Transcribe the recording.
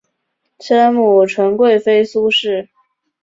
生母纯贵妃苏氏。